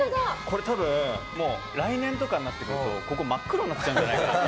多分、来年とかになってくるとここ真っ黒になっちゃうんじゃないかなって。